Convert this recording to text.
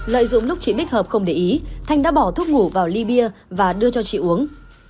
lại dùng lúc chị bích hợp không để ý thành đã bỏ thuốc ngủ vào ly bia và đưa cho chị uống